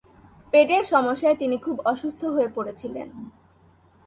পেটের সমস্যায় তিনি খুব অসুস্থ হয়ে পড়েছিলেন।